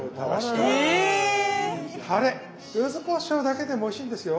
ゆずこしょうだけでもおいしいんですよ。